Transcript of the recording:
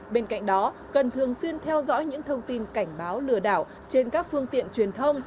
bên cạnh đó cần thường xuyên theo dõi những thông tin cảnh báo lừa đảo trên các phương tiện truyền thông